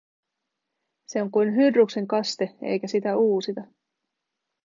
Se on kuin Hydruksen kaste, eikä sitä uusita.